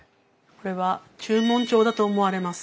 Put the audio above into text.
これは註文帳だと思われます。